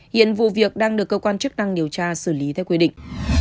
hiện vụ việc đang được cơ quan chức năng điều tra xử lý theo quy định